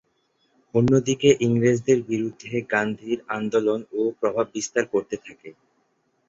অন্যদিকে ইংরেজদের বিরুদ্ধে গান্ধীর আন্দোলন আরও প্রভাব বিস্তার করতে থাকে।